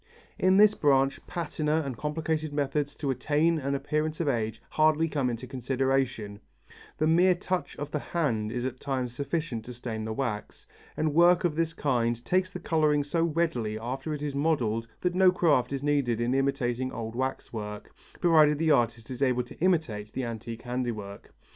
In this branch, patina and complicated methods to attain an appearance of age hardly come into consideration, a mere touch of the hand is at times sufficient to stain the wax, and work of this kind takes the colouring so readily after it is modelled that no craft is needed in imitating old wax work, provided the artist is able to imitate the antique handiwork.